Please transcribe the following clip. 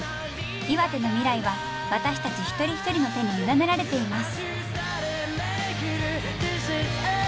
岩手の未来は私たち一人一人の手に委ねられています。